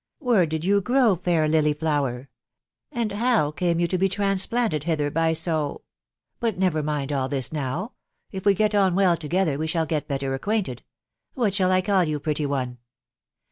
..• Where did you grow, fair lily flower ?..•. And how came you to be transplanted hither by so •••. But never mind all this now ; if we get on well together we shall get better acquainted. What shall I call you, pretty one